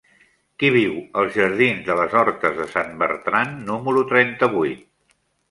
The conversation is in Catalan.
Qui viu als jardins de les Hortes de Sant Bertran número trenta-vuit?